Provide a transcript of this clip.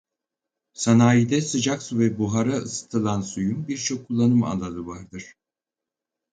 Sanayide sıcak su ve buhara ısıtılan suyun birçok kullanım alanı vardır.